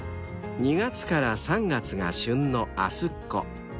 ［２月から３月が旬のあすっこ］